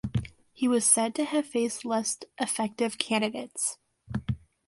He was said to have faced less effective candidates.